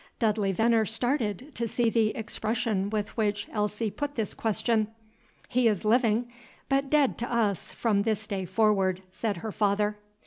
Dudley Venner started to see the expression with which Elsie put this question. "He is living, but dead to us from this day forward," said her father.